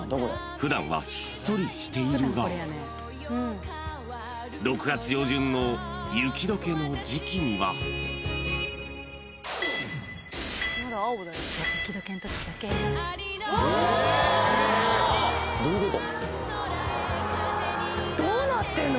［普段はひっそりしているが６月上旬の雪解けの時季には］おっ！どうなってんの？